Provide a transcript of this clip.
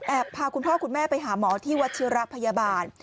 พาคุณพ่อคุณแม่ไปหาหมอที่วัชิระพยาบาล